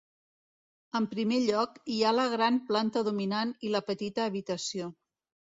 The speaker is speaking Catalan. En primer lloc, hi ha la gran planta dominant i la petita habitació.